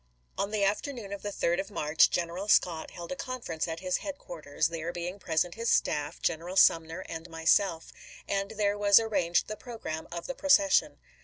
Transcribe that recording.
On the afternoon of the 3d of March, General Scott held a conference at his headquarters, there being present his staff, General Sumner, and myself ; and then was ar ranged the programme of the procession.